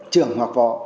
trưởng hoặc vọ